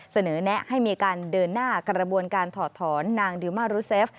แนะให้มีการเดินหน้ากระบวนการถอดถอนนางดิวมารุเซฟ